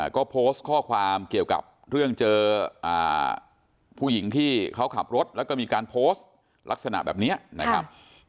ก็โพสต์ข้อความเกี่ยวกับเรื่องเจอผู้หญิงที่เขาขับรถแล้วก็มีการโพสต์ลักษณะแบบนี้นะครับ